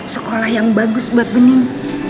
sekolah yang bagus buat bening